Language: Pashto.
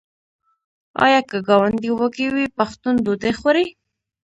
آیا که ګاونډی وږی وي پښتون ډوډۍ خوري؟